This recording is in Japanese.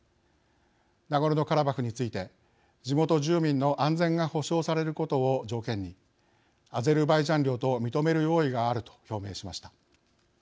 ナゴルノカラバフについて地元住民の安全が保証されることを条件にアゼルバイジャン領と認める用意があると表明しました。